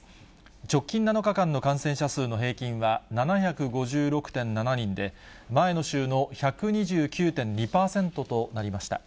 直近７日間の感染者数の平均は、７５６．７人で、前の週の１２９．２％となりました。